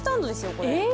これ。